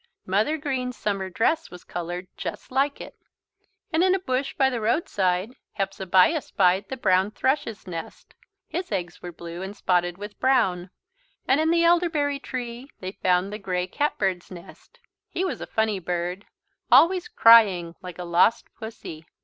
Mother Green's summer dress was coloured just like it. And in a bush by the roadside, Hepzebiah spied the brown thrush's nest. His eggs were blue and spotted with brown. And in the elderberry tree they found the grey cat bird's nest. He was a funny bird, always crying like a lost pussy.